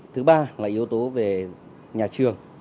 thứ ba là yếu tố về nhà trường